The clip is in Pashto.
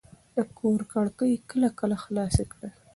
د کور کړکۍ کله کله خلاصې کړئ.